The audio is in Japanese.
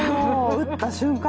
打った瞬間